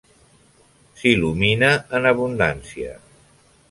S'il·lumina en abundància.